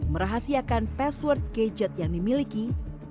merahasiakan password gadget yang diperlukan dan juga perubahan kata kata